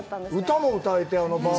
歌も歌えて、あのバー。